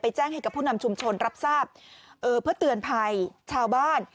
แจ้งให้กับผู้นำชุมชนรับทราบเพื่อเตือนภัยชาวบ้าน